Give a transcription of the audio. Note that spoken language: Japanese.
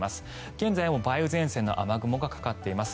現在も梅雨前線の雨雲がかかっています。